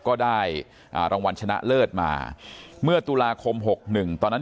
ก็ได้อ่ารางวันชนะเลศมาเมื่อตุราคมหกหนึ่งตอนนั้น